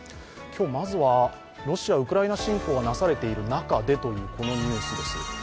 今日、まずはロシア・ウクライナ侵攻がなされている中でというこのニュースです。